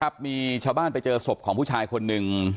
ครับมีชาวบ้านไปเจอศพของผู้ชายคนหนึ่ง